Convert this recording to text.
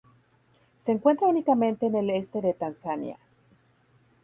Se encuentra únicamente en el este de Tanzania.